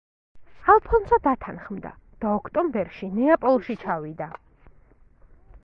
ალფონსო დათანხმდა და ოქტომბერში ნეაპოლში ჩავიდა.